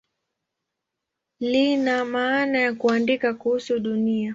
Lina maana ya "kuandika kuhusu Dunia".